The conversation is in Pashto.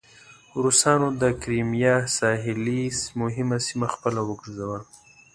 روسانو د کریمیا ساحلي مهمه سیمه خپله وګرځوله.